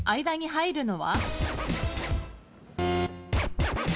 間に入るのは？